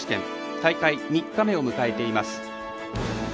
大会３日目を迎えています。